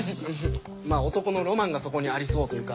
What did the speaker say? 男のロマンがそこにありそうというか。